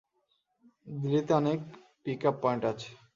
দিল্লিতে অনেক pick up point আছে।